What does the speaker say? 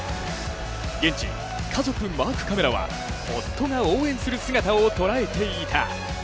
現地、家族マークカメラは夫が応援する姿をとらえていた。